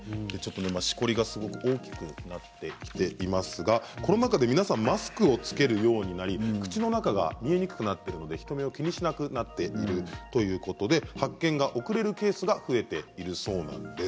しこりが大きくなってきていますがコロナ禍で皆さんマスクを着けるようになり口の中が見えにくくなっているので人目を気にしなくなっているということで発見が遅れるケースが増えているそうなんです。